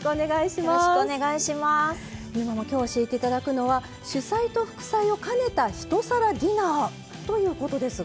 今日教えて頂くのは主菜と副菜を兼ねた一皿ディナーということですが。